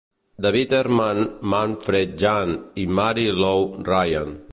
David Herman, Manfred Jahn i Marie Laure Ryan.